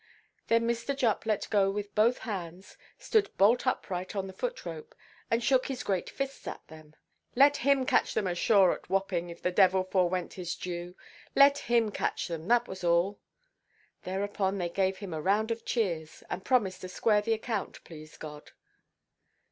Then Mr. Jupp let go with both hands, stood bolt upright on the foot–rope, and shook his great fists at them. "Let him catch them ashore at Wapping, if the devil forewent his due; let him catch them, that was all!" Thereupon they gave him a round of cheers, and promised to square the account, please God.